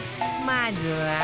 まずは